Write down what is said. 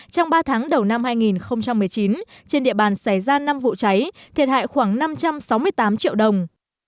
trong ba tháng đầu năm hai nghìn một mươi chín trên địa bàn xảy ra năm vụ cháy thiệt hại khoảng năm trăm sáu mươi tám triệu đồng